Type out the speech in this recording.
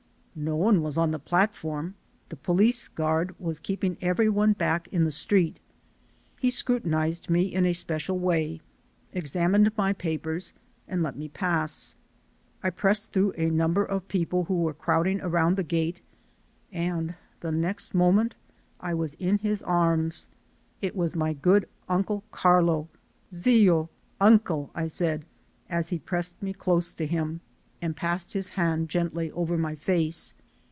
No one was on the platform. The police guard was keeping every one back in the street. He scrutinized me in a special way, examined my papers, and let me pass. I pressed through a number of people who were crowding around the gate and the next moment I was in his arms. It was my good Uncle Carlo. "Zio" (uncle) I said, as he pressed me close to him and passed his hand gently over my face.